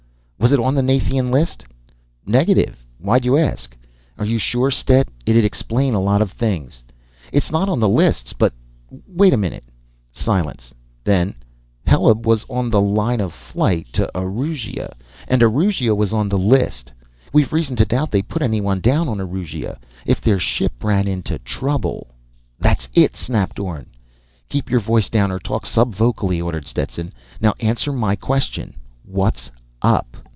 "_ "Was it on that Nathian list?" "Negative. Why'd you ask?" "Are you sure, Stet? It'd explain a lot of things." "It's not on the lists, but ... wait a minute." Silence. Then: _"Heleb was on line of flight to Auriga, and Auriga was on the list. We've reason to doubt they put anyone down on Auriga. If their ship ran into trouble "_ "That's it!" snapped Orne. "Keep your voice down or talk subvocally." ordered Stetson. _"Now, answer my question: What's up?"